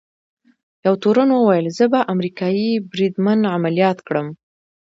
یوه تورن وویل: زه به امریکايي بریدمن عملیات کړم.